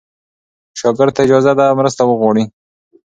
شاګرد ته اجازه ده مرسته وغواړي.